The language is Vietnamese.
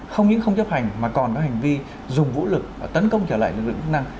không những không chấp hành mà còn có hành vi dùng vũ lực tấn công trở lại lực lượng chức năng